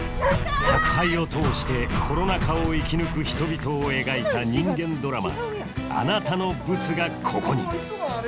宅配を通してコロナ禍を生き抜く人々を描いた人間ドラマ「あなたのブツが、ここに」